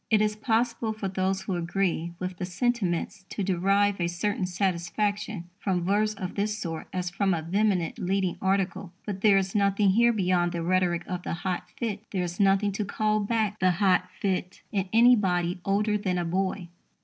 It is possible for those who agree with the sentiments to derive a certain satisfaction from verse of this sort as from a vehement leading article. But there is nothing here beyond the rhetoric of the hot fit. There is nothing to call back the hot fit in anybody older than a boy.